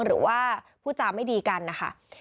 หรือว่าผู้จาไม่ดีกันนะคะ